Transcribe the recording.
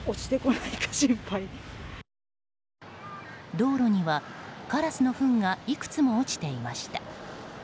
道路にはカラスのふんがいくつも落ちていました。